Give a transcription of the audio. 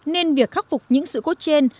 nên việc khắc phục những sự cố trên